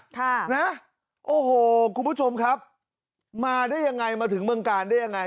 ค่ะนะโอ้โหคุณผู้ชมครับมาได้ยังไงมาถึงเมืองกาลได้ยังไง